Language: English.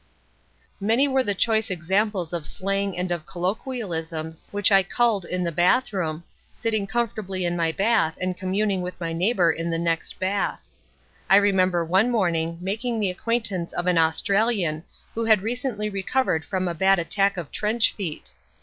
Many were the choice examples of slang and of colloquialisms which I culled in the bathroom, sitting comfortably in my bath and communing with my neighbour in the next bath. I remember one morning making the acquaintance of an Australian who had recently recovered from a bad attack of trench feet.